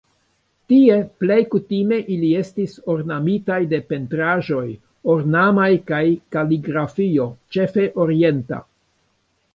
Tie plej kutime ili estis ornamitaj de pentraĵoj ornamaj kaj kaligrafio, ĉefe orienta.